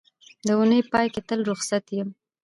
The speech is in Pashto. د اونۍ پای کې تل روخصت یم